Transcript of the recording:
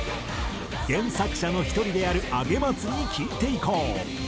原作者の１人である上松に聞いていこう。